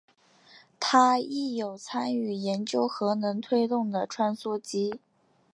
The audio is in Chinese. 他亦有参与研究核能推动的穿梭机。